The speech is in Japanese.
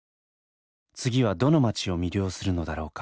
次はどの街を魅了するのだろうか。